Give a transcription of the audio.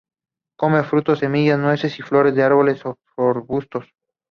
Come frutos, semillas, nueces y flores de árboles o arbustos.